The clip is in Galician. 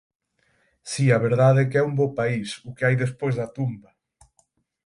Si, a verdade é que un bo país, o que hai despois da tumba.